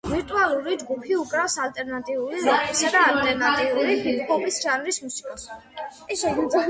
ვირტუალური ჯგუფი უკრავს ალტერნატიული როკისა და ალტერნატიული ჰიპ-ჰოპის ჟანრის მუსიკას.